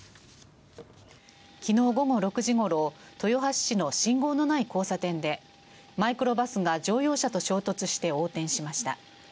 昨日午後６時ごろ豊橋市の信号のない交差点でマイクロバスが乗用車と衝突して横転しました。